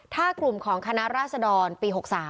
ถ้ากลุ่มของคณะราษฎรปี๖๓